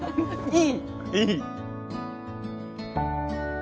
いい？